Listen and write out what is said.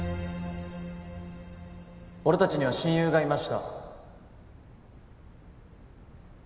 俺達には親友がいました